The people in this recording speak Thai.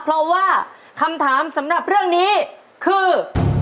เพราะว่าคำถามสำหรับเรื่องนี้คือ